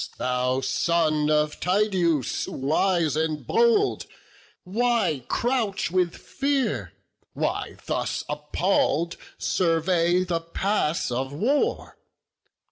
thou son of Tydeus, wise and bold, Why crouch with fear? why thus appall'd survey The pass of war?